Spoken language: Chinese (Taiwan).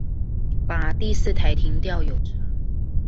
把第四台停掉有差